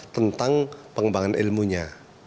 tentang pengembangan ilmunya